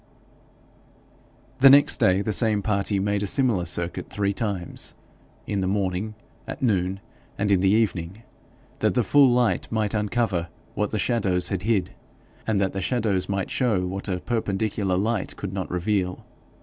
The next day the same party made a similar circuit three times in the morning, at noon, and in the evening that the full light might uncover what the shadows had hid, and that the shadows might show what a perpendicular light could not reveal.